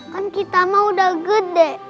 kan kita mah udah gede